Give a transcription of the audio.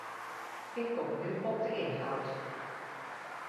Ik kom nu op de inhoud.